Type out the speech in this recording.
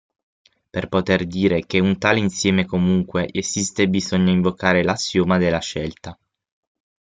Per poter dire che un tale insieme comunque esiste bisogna invocare l"'assioma della scelta".